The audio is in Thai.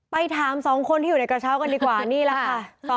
ไปถาม๒คนที่อยู่ในกระเช้ากันดีกว่านี่แหละค่ะ